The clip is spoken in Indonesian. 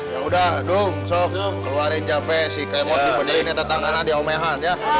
ya udah dong sok keluarin capek si kemot di benih ini tetanggana di omehan ya